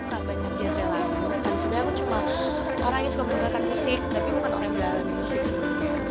sebenarnya cuma orang yang suka menulis musik tapi bukan orang yang gak alami musik sih